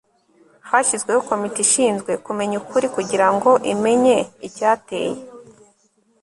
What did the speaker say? hashyizweho komite ishinzwe kumenya ukuri kugira ngo imenye icyateye